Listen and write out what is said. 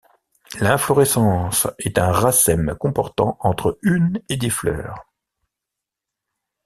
L'inflorescence est un racème comportant entre une et dix fleurs.